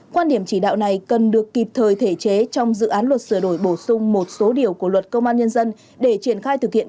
quan điểm chỉ đạo này cần được kịp thời thể chế trong dự án luật sửa đổi bổ sung một số điều của luật công an nhân dân để triển khai thực hiện